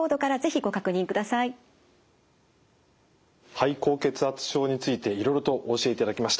肺高血圧症についていろいろとお教えいただきました。